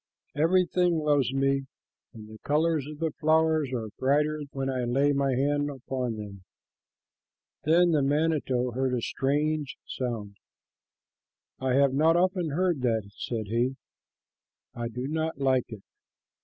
Everything loves me, and the colors of the flowers are brighter when I lay my hand upon them." Then the manito heard a strange sound. "I have not often heard that," said he. "I do not like it.